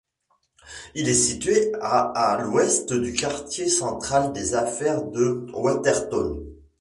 Il est situé à à l'ouest du quartier central des affaires de Watertown.